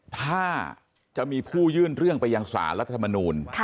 ถ้าจะมีผู้ยื่นเรื่องไปยังสารรัฐธรรมนูล